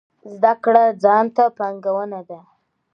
زده کړه ځان ته پانګونه ده